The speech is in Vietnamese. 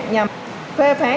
nhằm phê phán